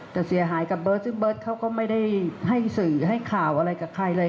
แต่เสียหายกับเบิร์ตซึ่งเบิร์ตเขาก็ไม่ได้ให้สื่อให้ข่าวอะไรกับใครเลย